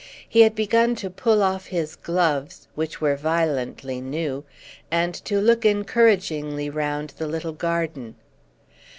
He had begun to pull off his gloves, which were violently new, and to look encouragingly round the little garden.